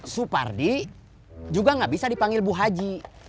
supardi juga nggak bisa dipanggil bu haji